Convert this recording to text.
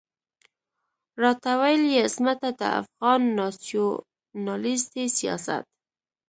راته ويل يې عصمته د افغان ناسيوناليستي سياست.